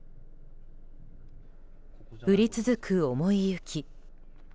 降り続く重い雪。